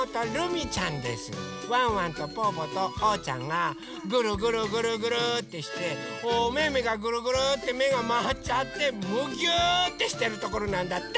ワンワンとぽぅぽとおうちゃんがぐるぐるぐるぐるってしておめめがぐるぐるってめがまわっちゃってむぎゅってしてるところなんだって。